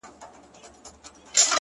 o لا به په تا پسي ژړېږمه زه،